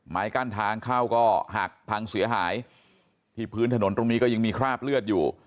ไม้กั้นทางเข้าก็หักพังเสียหายที่พื้นถนนตรงนี้ก็ยังมีคราบเลือดอยู่